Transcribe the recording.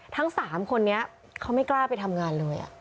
ทั้ง๓คนนี้เขาไม่กล้าไปทำงานเลย